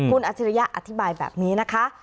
คุณอัจฉริยะอธิบายแบบนี้นะคะ